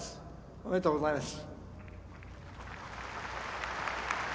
おめでとうございます。